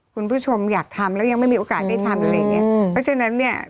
คุณผู้ชมอยากทำแล้วยังไม่มีโอกาสได้ทำอะไรอย่างเงี้ยเพราะฉะนั้นเนี้ย